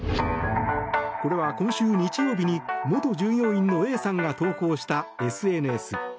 これは、今週日曜日に元従業員のＡさんが投稿したＳＮＳ。